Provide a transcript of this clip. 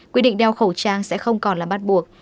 quy định đeo khẩu trang sẽ không còn là bắt buộc